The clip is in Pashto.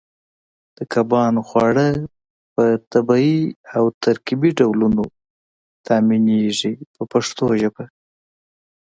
د کبانو خواړه په طبیعي او ترکیبي ډولونو تامینېږي په پښتو ژبه.